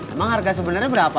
emang harga sebenarnya berapa